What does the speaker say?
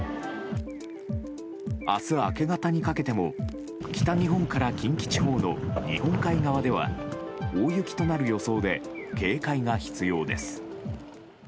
明日明け方にかけても北日本から近畿地方の日本海側では大雪となる予想で警戒が必要です。